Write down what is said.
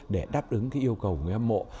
để đáp ứng cái yêu cầu của người âm mộ